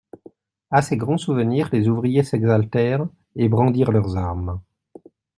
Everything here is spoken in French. A ces grands souvenirs, les ouvriers s'exaltèrent et brandirent leurs armes.